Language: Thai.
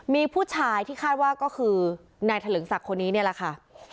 มีผู้ชายที่คาดว่าก็คือนายเถลิงศักดิ์คนนี้เนี่ยแหละค่ะ